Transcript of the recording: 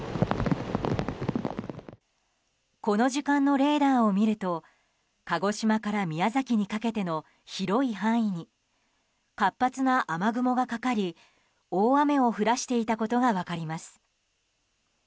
この時間のレーダーを見ると鹿児島から宮崎にかけての広い範囲に活発な雨雲がかかり大雨を降らしていたことが分かります。